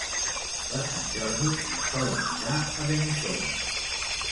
Per Sant Jordi na Sol anirà a Benissoda.